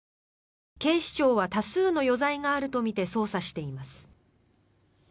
警視庁は多数の余罪があるとみて捜査しています。